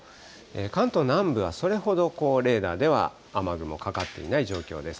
関東南部はそれほどレーダーでは雨雲かかっていない状況です。